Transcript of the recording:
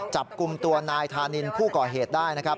จับกลุ่มตัวนายธานินผู้ก่อเหตุได้นะครับ